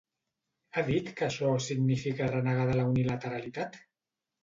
Ha dit que això significa renegar de la unilateralitat?